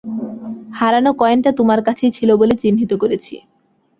হারানো কয়েনটা তোমার কাছেই ছিল বলে চিহ্নিত করেছি।